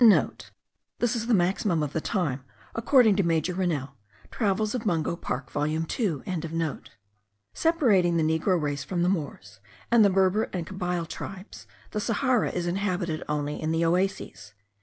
*(* This is the maximum of the time, according to Major Rennell, Travels of Mungo Park volume 2.) Separating the Negro race from the Moors, and the Berber and Kabyle tribes, the Sahara is inhabited only in the oases.